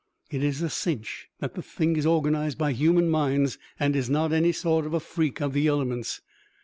It's a cinch that the thing is organized by human minds and is not any sort of a freak of the elements.